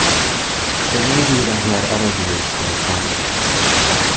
It may be that he had other views for his son.